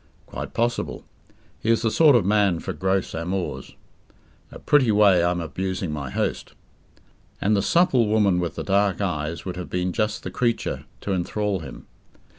Quite possible. He is the sort of man for gross amours. (A pretty way I am abusing my host!) And the supple woman with the dark eyes would have been just the creature to enthral him.